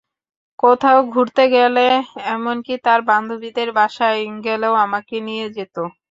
কোথাও ঘুরতে গেলে, এমনকি তার বান্ধবীদের বাসায় গেলেও আমাকে নিয়ে যেত।